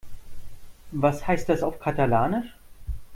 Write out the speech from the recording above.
Was heißt das auf Katalanisch?